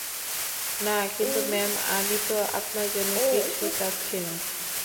না, কিন্তু ম্যাম, আমি তো আমার জন্য কিছু চাচ্ছি না।